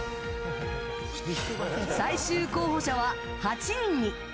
最終候補者は８人に。